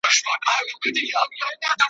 زما له زګېروي سره سارنګ او رباب مه شرنګوه `